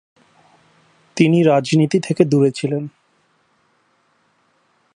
তিনি রাজনীতি থেকে দূরে ছিলেন।